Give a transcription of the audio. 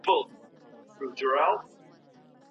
آیا د افغانستان وچي مېوې له کیمیاوي موادو پاکي دي؟.